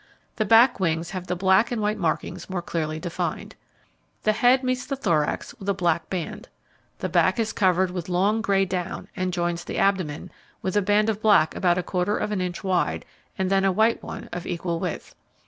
The back wings have the black and white markings more clearly defined. The head meets the thorax with a black band. The back is covered with long, grey down, and joins the abdomen, with a band of black about a quarter of an inch wide, and then a white one of equal width.